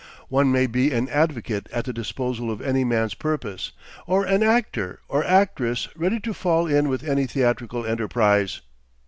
One may be an advocate at the disposal of any man's purpose, or an actor or actress ready to fall in with any theatrical enterprise.